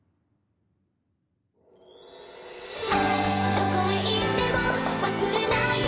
どこへ行っても忘れないよ」